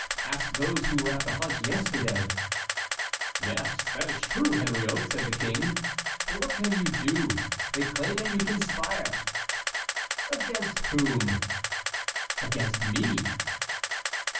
ask those who were at the hunt yesterday." "Yes, that is true, Henriot," said the King; "but what can you do? They claim that you conspire." "Against whom?" "Against me."